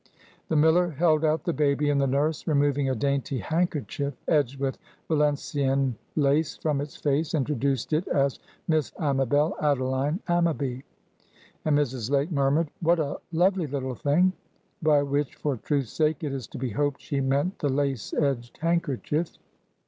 The miller held out the baby, and the nurse, removing a dainty handkerchief edged with Valenciennes lace from its face, introduced it as "Miss Amabel Adeline Ammaby;" and Mrs. Lake murmured, "What a lovely little thing!" By which, for truth's sake, it is to be hoped she meant the lace edged handkerchief.